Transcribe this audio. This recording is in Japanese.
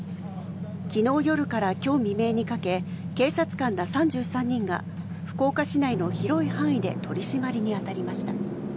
昨日夜から今日未明にかけ警察官ら３３人が福岡市内の広い範囲で取り締まりにあたりました。